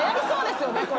そうですね。